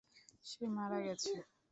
সে মারা গেছে।